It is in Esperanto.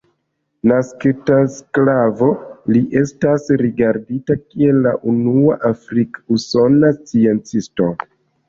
Naskita sklavo, li estas rigardita kiel la unua afrik-usona sciencisto.